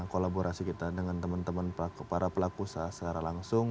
kolaborasi kita dengan teman teman para pelaku usaha secara langsung